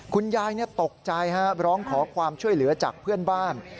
คุณยายตกใจร้องขอความช่วยเหลือจากเพื่อนบ้าน